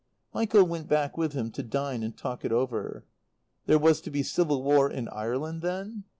Michael went back with him to dine and talk it over. There was to be civil war in Ireland then?